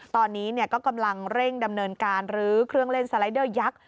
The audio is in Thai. ตอนนี้ก็กำลังเร่งดำเนินการลื้อเครื่องเล่นสไลเดอร์ยักษ์